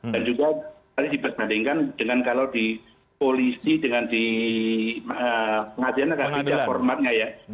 dan juga tadi dibesmatiikan dengan kalau di polisi dengan di pengadilan negara formatnya ya